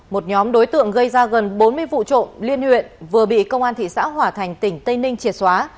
một nhóm đối tượng gây ra gần bốn mươi vụ trộm liên huyện vừa bị công an thị xã hòa thành tỉnh tây ninh triệt xóa